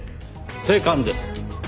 静観です。